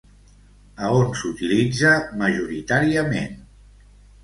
A on s'utilitza majoritàriament?